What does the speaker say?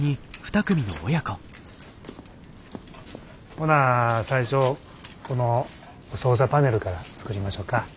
ほな最初この操作パネルから作りましょか。